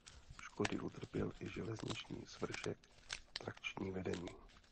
Škody utrpěl i železniční svršek a trakční vedení.